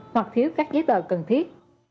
hoặc thiếu các giấy tờ cần thiết